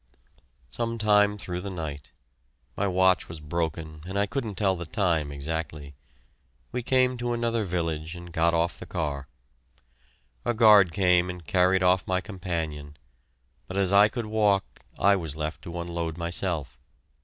Some time through the night my watch was broken and I couldn't tell the time exactly we came to another village and got off the car. A guard came and carried off my companion, but as I could walk, I was left to unload myself.